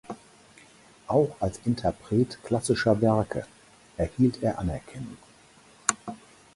Auch als Interpret klassischer Werke erhielt er Anerkennung.